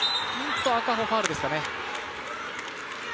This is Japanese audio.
赤穂ファウルですかね。